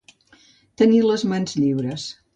Tenir les mans lliures.